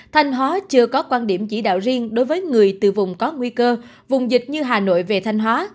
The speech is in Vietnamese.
thanh hóa chưa có quan điểm chỉ đạo riêng đối với người từ vùng có nguy cơ vùng dịch như hà nội về thanh hóa